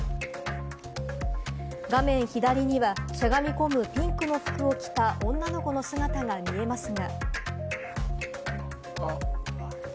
画面左には、しゃがみ込むピンクの服を着た女の子の姿が見えますが。